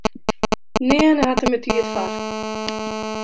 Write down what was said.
Nearne hat er mear tiid foar.